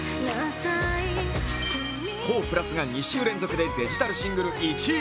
ＫＯＨ＋が２週連続でデジタルシングル１位。